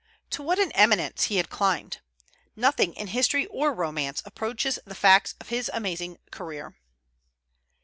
To what an eminence had he climbed! Nothing in history or romance approaches the facts of his amazing career.